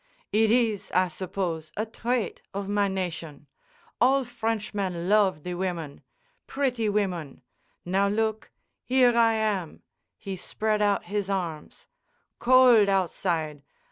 "It is, I suppose, a trait of my nation. All Frenchmen love the women—pretty women. Now, look: Here I am!" He spread out his arms. "Cold outside!